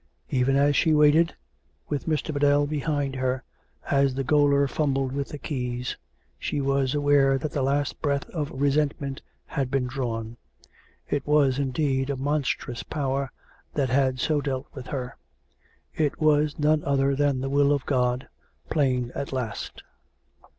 Even as she waited, with Mr. Biddell behind her, as the gaoler fumbled with the keys, she was aware that the last breath of resentment had been drawn. ... It was, indeed, a monstrous Power that had so dealt with her. ... It was none other than the Will of God, plain at last.